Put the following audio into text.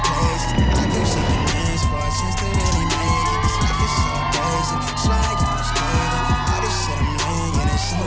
แบบผมมั่นใจมากเวลายืนหน้าคุณ